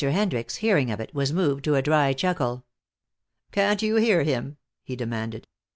Hendricks, hearing of it, was moved to a dry chuckle. "Can't you hear him?" he demanded.